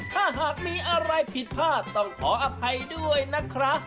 ถ้าหากมีอะไรผิดพลาดต้องขออภัยด้วยนะครับ